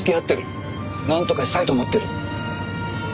なんとかしたいと思ってる。